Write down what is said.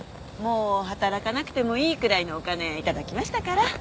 もう働かなくてもいいくらいのお金頂きましたから。